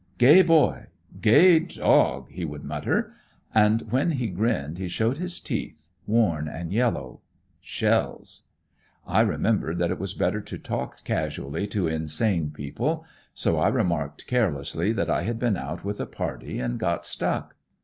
'Gay boy, gay dog!' he would mutter, and when he grinned he showed his teeth, worn and yellow shells. I remembered that it was better to talk casually to insane people; so I remarked carelessly that I had been out with a party and got stuck.